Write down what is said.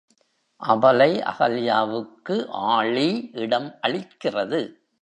அபலை அகல்யாவுக்கு ஆழி இடம் அளிக்கிறது!...